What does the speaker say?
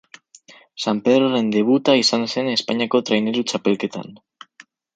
San Pedroren debuta izan zen Espainiako Traineru Txapelketan.